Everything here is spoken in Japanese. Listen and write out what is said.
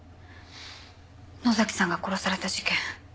能崎さんが殺された事件